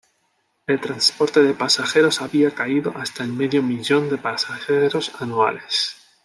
El transporte de pasajeros había caído hasta el medio millón de pasajeros anuales.